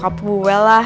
ntar lo juga tau